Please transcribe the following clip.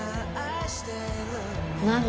何？